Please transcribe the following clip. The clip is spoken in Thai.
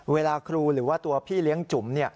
เวลาครูหรือว่าตัวพี่เลี้ยงจุ๋ม